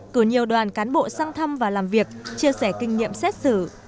cử nhiều đoàn cán bộ sang thăm và làm việc chia sẻ kinh nghiệm xét xử